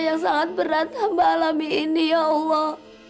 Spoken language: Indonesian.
yang sangat berat hamba alami ini ya allah